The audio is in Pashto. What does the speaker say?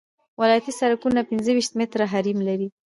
ولایتي سرکونه پنځه ویشت متره حریم لري